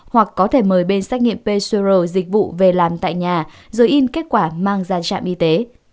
hoặc có thể mời bên xét nghiệm pcr dịch vụ về làm tại nhà rồi in kết quả mang ra trạm y tế